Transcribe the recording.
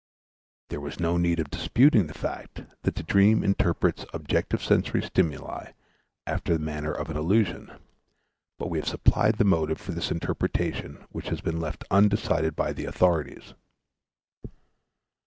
There was no need of disputing the fact that the dream interprets the objective sensory stimuli after the manner of an illusion; but we have supplied the motive for this interpretation which has been left undecided by the authorities.